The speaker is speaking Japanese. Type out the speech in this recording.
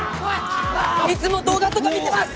いつも動画とか見てます！